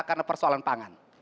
karena persoalan pangan